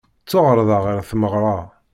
Ttwaɛerḍeɣ ɣer tmeɣra.